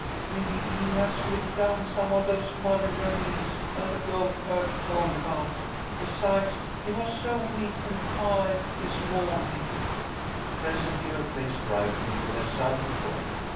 Maybe he has slipped down some of those muddy ravines that the goatherd told about. Besides, he was so weak and tiahed this mawnin.'" Presently her face brightened with a sudden thought.